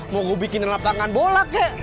mau gue bikin lapangan bola kek